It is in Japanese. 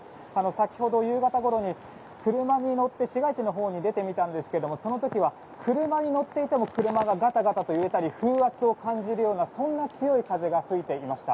先ほど夕方ごろに車に乗って市街地のほうに出てみたんですがその時は、車に乗っていても車がガタガタ揺れたり風圧を感じるようなそんな強い風が吹いていました。